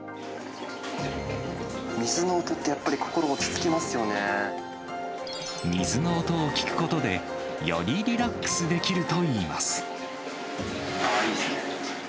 水の音ってやっぱり、心落ち水の音を聞くことで、よりリラックスできるといいます。